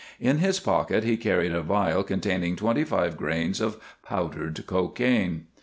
In his pocket he carried a vial containing twenty five grains of powdered cocaine.